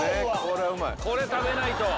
これ食べないと。